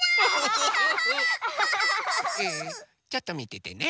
ちょっとみててね。